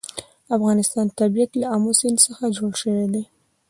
د افغانستان طبیعت له آمو سیند څخه جوړ شوی دی.